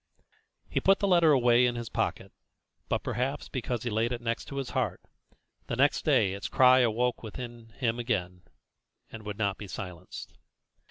He put the letter away in his pocket, but, perhaps because he laid it next his heart, the next day its cry awoke within him again, and would not be silenced.